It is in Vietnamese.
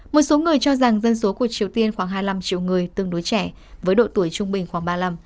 một số người cho rằng dân số của triều tiên khoảng hai mươi năm triệu người tương đối trẻ với độ tuổi trung bình khoảng ba mươi năm